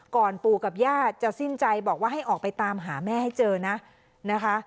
ปู่กับญาติจะสิ้นใจบอกว่าให้ออกไปตามหาแม่ให้เจอนะนะคะ